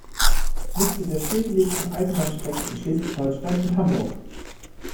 Liste der stillgelegten Eisenbahnstrecken in Schleswig-Holstein und Hamburg